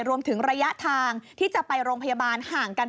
รวมถึงระยะทางที่จะไปโรงพยาบาลห่างกัน